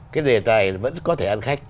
cái đề tài vẫn có thể ăn khách